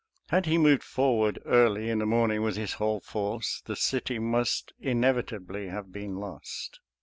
Had he moved forward early in the morning with his whole force, the city must inevitably have been lost.